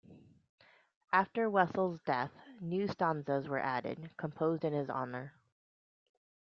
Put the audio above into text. After Wessel's death, new stanzas were added, composed in his honour.